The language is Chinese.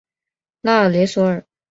拉尔雷索尔。